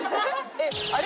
あっあれ？